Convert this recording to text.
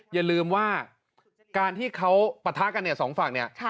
อย่าลืมว่าการที่เขาปะทะกันเนี่ยสองฝั่งเนี่ย